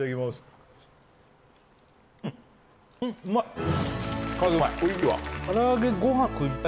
うまい！